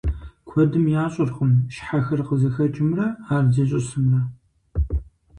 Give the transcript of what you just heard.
Куэдым ящӀэркъым щхьэхыр къызыхэкӀымрэ ар зищӀысымрэ.